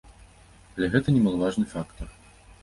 Але гэта немалаважны фактар.